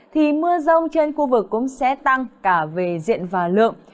thì mưa rông trên khu vực cũng sẽ tăng cả về diện và lượng